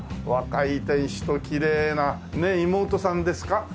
若い亭主ときれいな妹さんですか？